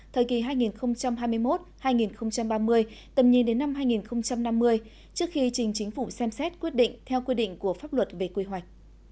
thời kỳ hai nghìn hai mươi một hai nghìn ba mươi tầm nhìn đến năm hai nghìn năm mươi trước khi trình chính phủ xem xét quyết định theo quy định của pháp luật về quy hoạch